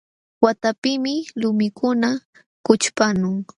Waqtapiqmi lumikuna kućhpamun.